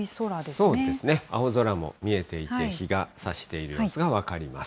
そうですね、青空も見えていて、日がさしている様子が分かります。